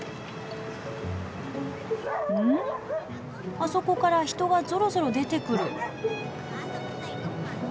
あそこから人がぞろぞろ出てくる。